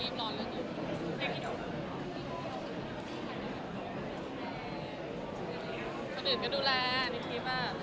คนอื่นก็ดูแลนิติว่า